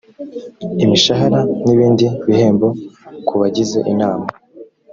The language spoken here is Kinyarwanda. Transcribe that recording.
imishahara n ibindi bihembo ku bagize inama